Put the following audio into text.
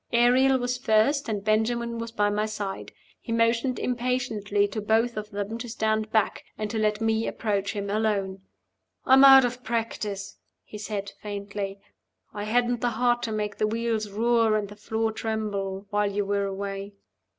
Ariel was first, and Benjamin was by my side. He motioned impatiently to both of them to stand back, and to let me approach him alone. "I'm out of practice," he said, faintly. "I hadn't the heart to make the wheels roar and the floor tremble while you were away."